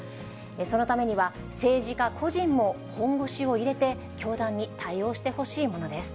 そのためには、政治家個人も本腰を入れて、教団に対応してほしいものです。